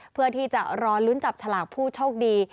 เพื่อที่จะรอลุ้นจับฉลากผู้โชคดี